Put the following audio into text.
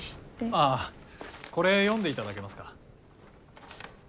ああこれ読んでいただけますか？